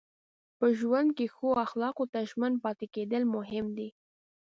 په ژوند کې ښو اخلاقو ته ژمن پاتې کېدل مهم دي.